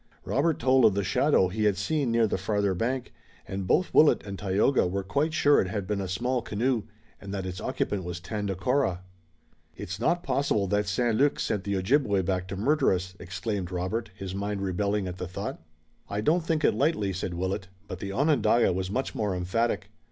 Robert told of the shadow he had seen near the farther bank, and both Willet and Tayoga were quite sure it had been a small canoe, and that its occupant was Tandakora. "It's not possible that St. Luc sent the Ojibway back to murder us!" exclaimed Robert, his mind rebelling at the thought. "I don't think it likely," said Willet, but the Onondaga was much more emphatic.